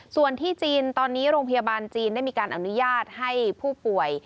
ส่วนที่จีนตอนนี้โรงพยาบาลจีนได้มีการอนุญาตให้ผู้ป่วย